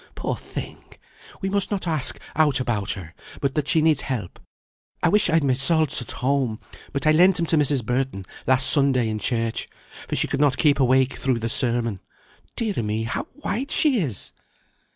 Poor thing! we must not ask aught about her, but that she needs help. I wish I'd my salts at home, but I lent 'em to Mrs. Burton, last Sunday in church, for she could not keep awake through the sermon. Dear a me, how white she is!"